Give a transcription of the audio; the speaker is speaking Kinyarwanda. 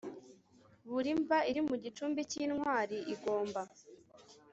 Buri mva iri mu gicumbi cy Intwari igomba